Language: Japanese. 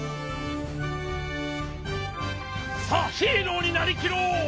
さあヒーローになりきろう！